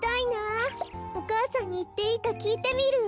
お母さんにいっていいかきいてみる。